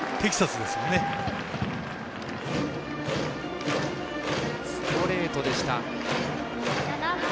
ストレートでした。